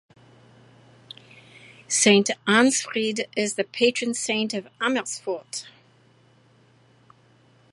Saint Ansfried is the patron saint of Amersfoort.